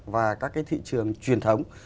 và các cái thị trường truyền thống